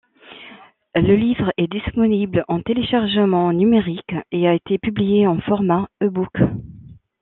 Le livre est disponible en téléchargement numérique et a été publié en format e-book.